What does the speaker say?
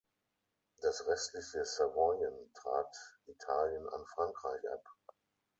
Das restliche Savoyen trat Italien an Frankreich ab.